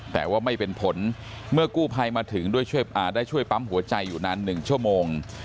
แต่ว่าไม่เป็นผลเมื่อกู้ภัยมาถึงได้ช่วยปั๊มหัวใจอยู่นาน๑ชั่วโมง